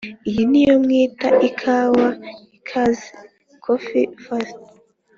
iyi ni yo mwita ikawa ikaze(café fort)?”